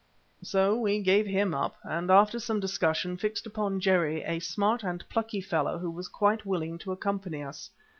So we gave him up, and after some discussion fixed upon Jerry, a smart and plucky fellow, who was quite willing to accompany us.